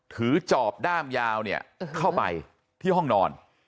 จอบด้ามยาวเนี่ยเข้าไปที่ห้องนอน